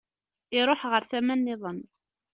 Iruḥ ɣer tama nniḍen.